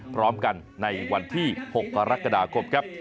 พร้อมกันในวันที่๖กรกฎาคมครับ